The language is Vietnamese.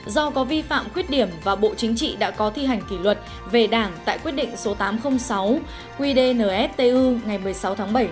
do có vi phạm khuyết điểm và bộ chính trị đã có thi hành kỷ luật về đảng tại quyết định số tám trăm linh sáu qdnstu ngày một mươi sáu bảy hai nghìn một mươi tám